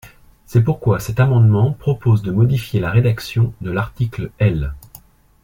C’est pourquoi cet amendement propose de modifier la rédaction de l’article L.